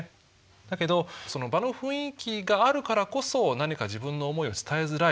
だけどその場の雰囲気があるからこそ何か自分の思いを伝えづらい。